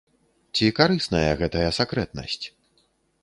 Ці карысная гэтая сакрэтнасць?